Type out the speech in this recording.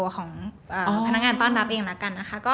ของพนักงานต้อนรับเองนะคะ